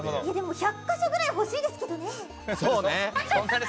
１００か所ぐらいほしいですけどね。